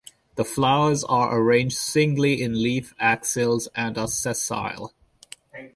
The flowers are arranged singly in leaf axils and are sessile.